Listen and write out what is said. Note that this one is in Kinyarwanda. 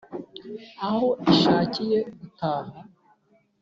Aho ishakiye gutaha,